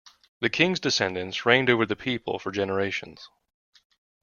The king’s descendants reigned over the people for generations.